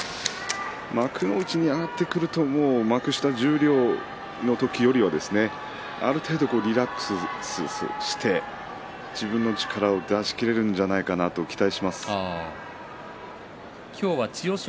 幕内に上がってくると幕下、十両の時よりはある程度リラックスして自分の力を出し切れるんじゃない今日は千代翔